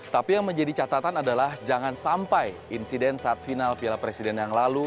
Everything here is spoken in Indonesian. tapi yang menjadi catatan adalah jangan sampai insiden saat final piala presiden yang lalu